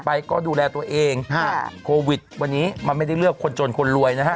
ไปก็ดูแลตัวเองฮะโควิดวันนี้มันไม่ได้เลือกคนจนคนรวยนะฮะ